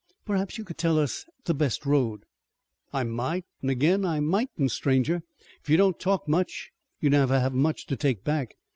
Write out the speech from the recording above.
"Perhaps you could tell us the best road." "I might an' ag'in I mightn't, stranger. If you don't talk much you never have much to take back.